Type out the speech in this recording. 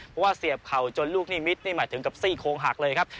เพราะว่าเสียบเข่าจนลูกนิมิตนี่หมายถึงกับซี่โครงหักเลยครับ